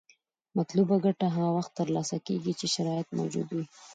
مطلوبه ګټه هغه وخت تر لاسه کیږي چې شرایط موجود وي.